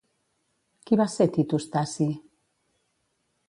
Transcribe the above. Qui va ser Titus Taci?